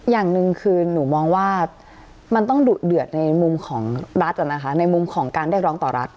อย่างหนึ่งคือหนูมองว่ามันต้องดุเดือดในมุมของรัฐในมุมของการเรียกร้องต่อรัฐ